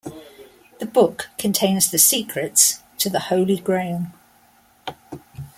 The book contains the secrets to the Holy Grail.